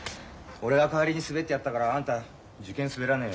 俺が代わりに滑ってやったからあんたは受験滑らねえよ。